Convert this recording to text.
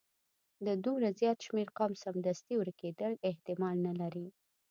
د دومره زیات شمیر قوم سمدستي ورکیدل احتمال نه لري.